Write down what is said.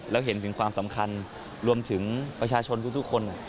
แล้วเห็นถึงความสำคัญรวมถึงประชาชนทุกคน